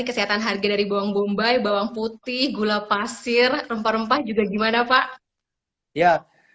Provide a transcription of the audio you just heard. kesehatan harga dari bawang bombay bawang putih gula pasir rempah rempah juga gimana pak ya